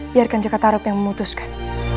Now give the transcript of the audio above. biarkan jakartarap yang memutuskan